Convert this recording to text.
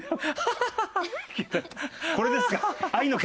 これですか？